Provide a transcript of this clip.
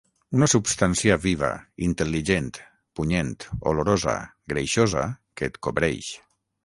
Una substància viva, intel·ligent, punyent, olorosa, greixosa que et cobreix.